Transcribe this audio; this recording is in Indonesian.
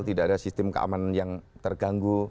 tidak ada sistem keamanan yang terganggu